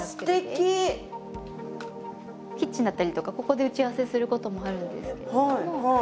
キッチンだったりとかここで打ち合わせすることもあるんですけども。